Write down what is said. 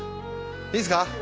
いいですか？